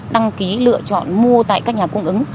đăng ký lựa chọn mua tại các nhà cung ứng